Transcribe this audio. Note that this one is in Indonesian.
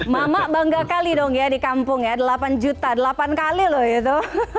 mama bangga kali dong ya di kampung ya delapan juta delapan kali loh itu